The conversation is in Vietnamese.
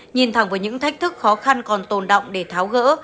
nhìn thẳng với những thách thức khó khăn còn tồn động để tháo gỡ